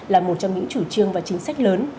là một trong những chủ trương và chính sách lớn